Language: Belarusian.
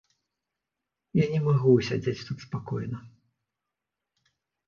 Я не магу ўсядзець тут спакойна.